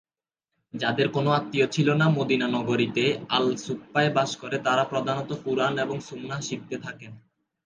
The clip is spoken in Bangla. যাদের কোন আত্মীয় ছিল না মদিনা নগরীতে, আল-সুফফাায় বাস করে তারা প্রধানত কুরআন এবং সুন্নাহ শিখতে থাকেন।